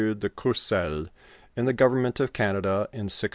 de Courcelles in the gov ernment of Canada, in 1672.